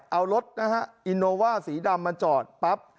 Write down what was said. เอารถนะฮะอินโนว่าสีดำมาจอดปั๊บ